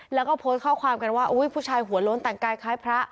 แล้วก็โพสต์ข้อความกันว่าผู้ชายหัวโล้นแต่งกายคล้ายพระ